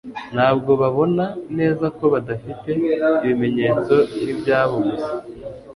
Ntabwo babona neza ko badafite ibimenyetso nk'ibyabo gusa,